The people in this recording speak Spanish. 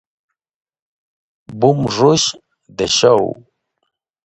Bum Rush The Show"".